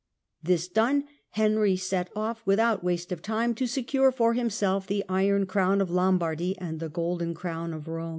This done, Henry set off with Bohemia, out waste of time, to secure for himself the iron crown ^^^^ of Lombardy and the golden crown of Kome.